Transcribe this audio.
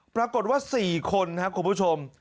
ปรากฏว่า๔คนครับคุณผู้ชม